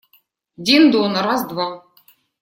Дин-дон… раз, два!..»